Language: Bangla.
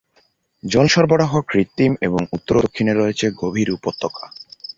জল সরবরাহ কৃত্রিম, এবং উত্তর ও দক্ষিণে রয়েছে গভীর উপত্যকা।